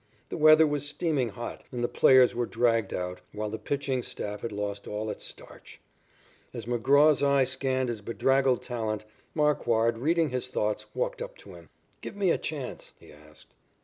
The weather was steaming hot, and the players were dragged out, while the pitching staff had lost all its starch. As McGraw's eye scanned his bedraggled talent, Marquard, reading his thoughts, walked up to him. "Give me a chance," he asked.